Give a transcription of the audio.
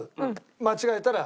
間違えたら。